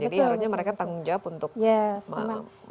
jadi harusnya mereka tanggung jawab untuk melakukan sesuatu